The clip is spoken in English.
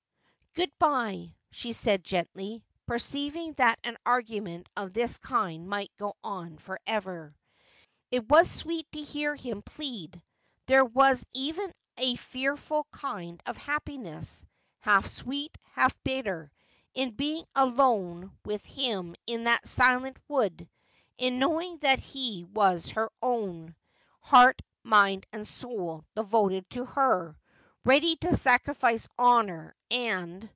' Good bye,' she said gently, perceiving that an argument of this kind might go on for ever. It was sweet to hear him plead ; there was even a fearful kind of happiness — half sweet, half bitter — in being alone with him in that silent wood, in knowing that he was her own ; heart, mind, and soul devoted to her ; ready to sacrifice honour and 'For Love and not for Hate thou must he ded.'